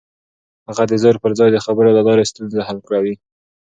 هغه د زور پر ځای د خبرو له لارې ستونزې حل کولې.